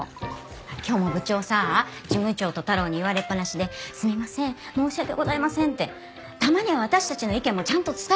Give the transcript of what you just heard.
今日も部長さ事務長と太郎に言われっぱなしで「すみません」「申し訳ございません」ってたまには私たちの意見もちゃんと伝えてほしいわけ。